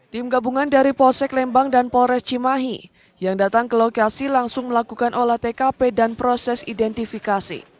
tim gabungan dari polsek lembang dan polres cimahi yang datang ke lokasi langsung melakukan olah tkp dan proses identifikasi